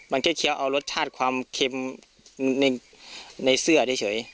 เคี้ยวเอารสชาติความเค็มในเสื้อเฉย